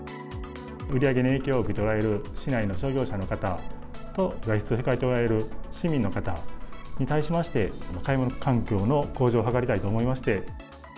売り上げに影響を受けておられる市内の商業者の方と外出を控えておられる市民の方に対しまして、買い物環境の向上を図りたいと思いまして。